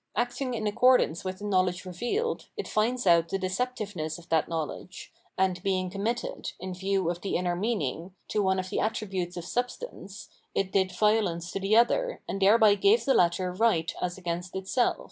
Acting in accordance with 761 The Spiritual WorTc of Art the knowledge revealed, it finds out the deceptiveness of that knowledge, and being committed, in view of the inner meaning, to one of the attributes of substance, it did violence to the other and thereby gave the latter right as against itseM.